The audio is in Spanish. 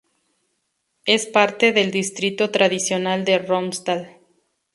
Es parte del distrito tradicional de Romsdal.